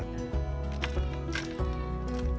jangan lupa untuk menggunakan akar